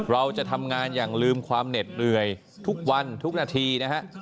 เราจะทำงานอย่างลืมความเหน็ดเหนื่อยทุกวันทุกนาทีนะฮะ